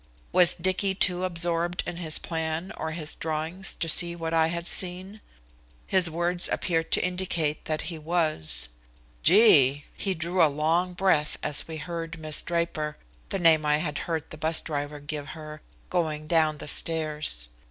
Was Dicky too absorbed in his plan or his drawings to see what I had seen? His words appeared to indicate that he was. "Gee!" He drew a long breath as we heard Miss Draper the name I had heard the 'bus driver give her going down the stairs.